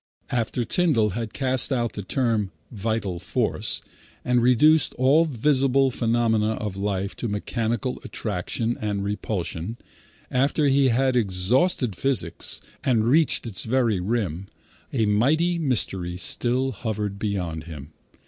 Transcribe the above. After Tyndall had cast out the term "vital force," and reduced all visible phenomena of life to mechanical attraction and repulsion, after he had exhausted physics, and reached its very rim, a mighty mystery still hovered beyond him.